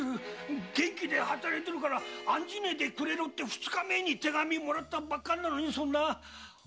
元気で働いてるから案じねぇでくれと二日前に手紙もらったばっかりなのにそんなバカな。